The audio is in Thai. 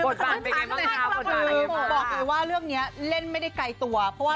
บอกเลยว่าเรื่องนี้เล่นไม่ได้ไกลตัว